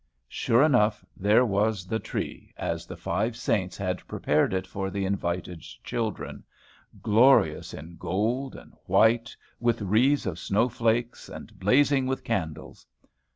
Sure enough, there was the tree, as the five saints had prepared it for the invited children, glorious in gold, and white with wreaths of snow flakes, and blazing with candles.